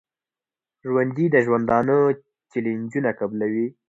ژوندي د ژوندانه چیلنجونه قبلوي